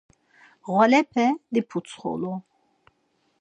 Ğvalepe diputsxolu.